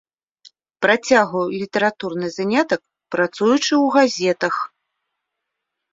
Працягваў літаратурны занятак, працуючы ў газетах.